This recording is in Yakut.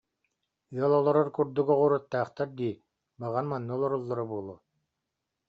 Ыал олорор курдук оҕуруоттаахтар дии, баҕар, манна олороллоро буолуо